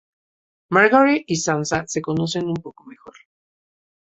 Margaery y Sansa se conocen un poco mejor.